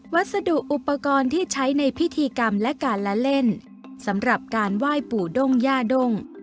วัสดุอุปกรณ์ที่ใช้ในพิธีกรรมและการละเล่นสำหรับการไหว้ปู่ด้งย่าด้ง